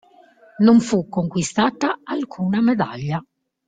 Non fu conquistata alcuna medaglia.